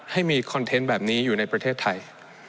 ให้มีคอนเทนต์แบบนี้อยู่ในประเทศไทย